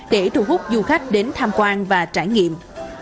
để thu hút du khách đến tham quan và trải nghiệm